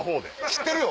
知ってるよ。